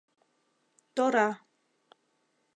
Тора.